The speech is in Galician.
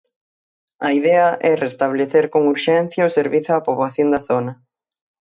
A idea é restabelecer con urxencia o servizo á poboación da zona.